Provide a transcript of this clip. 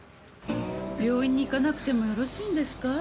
病院に行かなくてもよろしいんですか？